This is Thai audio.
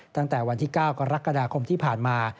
ตั้งแต่วันที่๙กรกฎาคมที่ผ่านมา